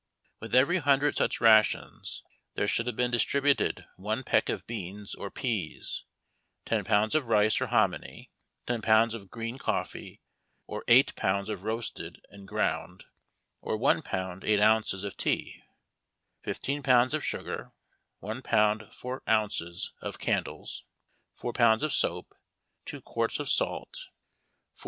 With every hundred such rations there should have been distributed one peck of beans or pease ; ten pounds of rice or hominy ; ten pounds of green coffee, or eight pounds of roasted and ground, or one pound eight ounces of tea; fifteen pounds of sugar; one pound four ounces of candles ; four pounds of soap ; two quarts of salt ; four 112 HARD TACK AND COFFEE.